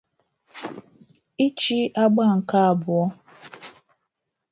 ịchị àgbà nke abụọ